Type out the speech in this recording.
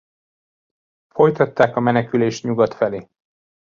Folytatták a menekülést nyugat felé.